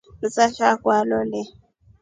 Msasha akwa alole.